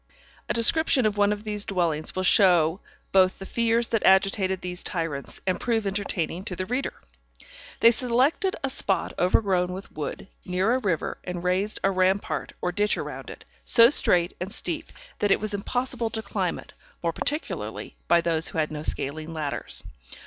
A description of one of these dwellings will both show the fears that agitated these tyrants, and prove entertaining to the reader. They selected a spot overgrown with wood, near a river, and raised a rampart or ditch round it, so straight and steep that it was impossible to climb it, more particularly by those who had no scaling ladders.